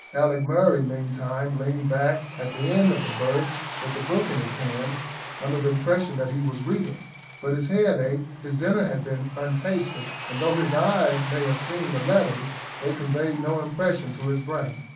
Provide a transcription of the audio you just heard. Alick Murray meantime leaned back at the end of the berth, with a book in his hand, under the impression that he was reading; but his head ached; his dinner had been untasted, and, though his eyes may have seen the letters, they conveyed no impression to his brain.